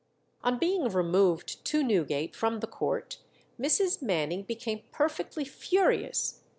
On being removed to Newgate from the court Mrs. Manning became perfectly furious.